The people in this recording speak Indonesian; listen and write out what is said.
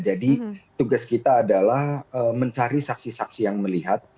jadi tugas kita adalah mencari saksi saksi yang melihat